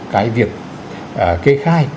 cái việc kê khai